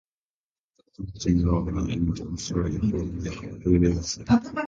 Seasons generally ran in Australia from early February to late November.